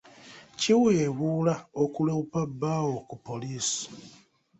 Kiweebuula okuloopa bbaawo ku poliisi.